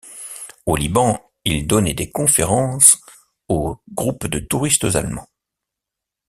Au Liban, ils donnaient des conférences aux groupes de touristes allemands.